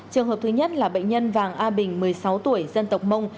trường hợp thứ nhất là bệnh nhân vàng a bình một mươi sáu tuổi dân tộc mông